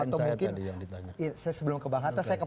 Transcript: tidak saya yang ditanya